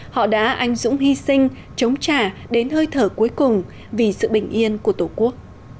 họ đã anh dũng hy sinh chống trả đến hơi thở cuối cùng vì sự bình yên của tổ quốc